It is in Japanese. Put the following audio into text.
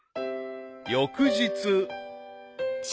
［翌日］